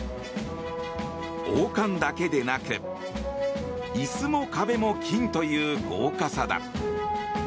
王冠だけでなく椅子も壁も金という豪華さだ。